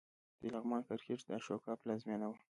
د لغمان کرکټ د اشوکا پلازمېنه وه